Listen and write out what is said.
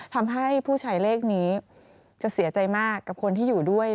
ทำให้ผู้ใช้เลขนี้จะเสียใจมากกับคนที่อยู่ด้วย